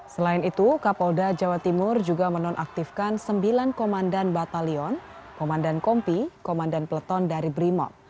selain itu kapolda jawa timur juga menonaktifkan sembilan komandan batalion komandan kompi komandan peleton dari brimob